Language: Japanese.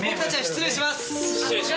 失礼します。